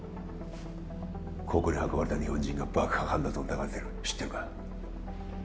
ここに運ばれた日本人が爆破犯だと疑われてる知ってるか？